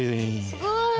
すごい！